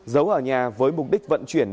giấu ở nhà với mục đích vận chuyển